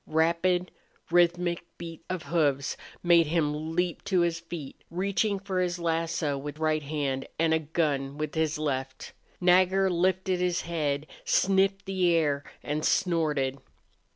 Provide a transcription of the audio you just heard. Rapid, rhythmic beat of hoofs made him leap to his feet, reaching for his lasso with right hand and a gun with his left. Nagger lifted his head, sniffed the air, and snorted.